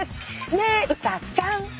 ねっうさちゃん。